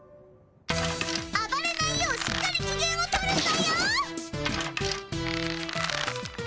あばれないようしっかりきげんをとるんだよ。